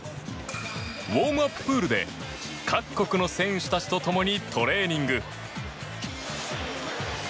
ウォームアッププールで各国の選手たちと共にトレーニング。